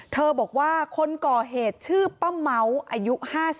บอกว่าคนก่อเหตุชื่อป้าเม้าอายุ๕๓